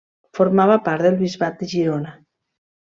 Formava part del bisbat de Girona.